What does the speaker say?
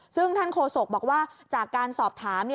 ซึ่งท่านโฆษกบอกว่าจากการสอบถาม